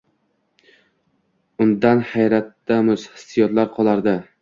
Unndan hayratomuz hissiyotlar qolardi